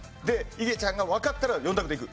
いげちゃんがわかったら４択でいく。